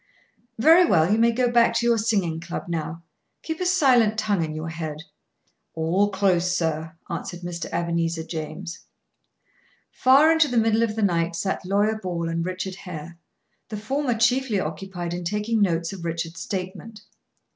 "Very well. You may go back to your singing club now. Keep a silent tongue in your head." "All close, sir," answered Mr. Ebenezer James. Far into the middle of the night sat Lawyer Ball and Richard Hare, the former chiefly occupied in taking notes of Richard's statement.